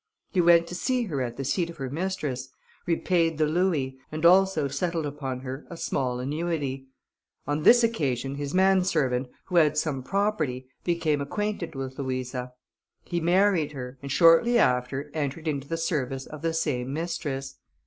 He went to see her at the seat of her mistress, repaid the louis, and also settled upon her a small annuity. On this occasion, his man servant, who had some property, became acquainted with Louisa. He married her, and shortly after entered into the service of the same mistress.